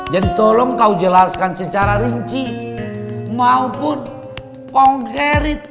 jadi tolong kau jelaskan secara rinci maupun konkret